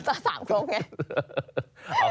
จะ๓ครกไง